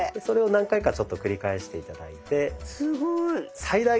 それを何回かちょっと繰り返して頂いて。